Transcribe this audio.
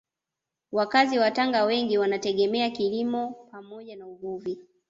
Wakazi wa Tanga wengi wanategemea kilimo pamoja na uvuvi